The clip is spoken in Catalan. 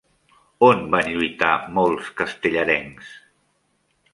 On van lluitar molts castellarencs?